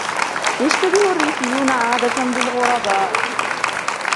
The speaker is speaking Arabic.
يشتبه الريفيون عادةً بالغرباء.